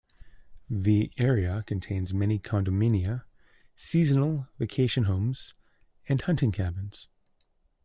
The area contains many condominia, seasonal vacation homes, and hunting cabins.